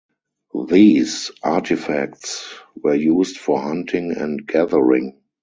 These artifacts were used for hunting and gathering.